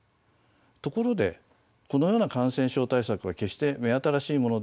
ところでこのような感染症対策は決して目新しいものではありません。